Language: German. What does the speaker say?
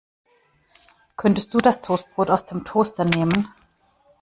Könntest du das Toastbrot aus dem Toaster nehmen.